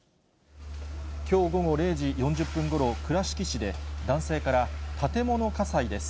きょう午後０時４０分ごろ、倉敷市で男性から、建物火災です。